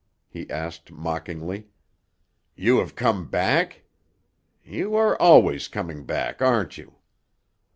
he asked mockingly. "You have come back? You are always coming back, aren't you?"